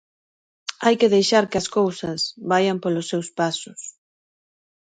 Hai que deixar que as cousas vaian polo seus pasos.